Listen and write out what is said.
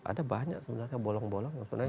ada banyak sebenarnya bolong bolong yang sebenarnya